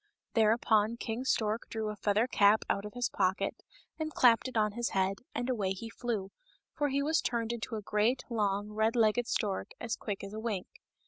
Thereupon King Stork drew a feather cap out of his pocket and clapped it on his head, and away he flew, for he was turned into a great, long, red legged stork as quick as a wink.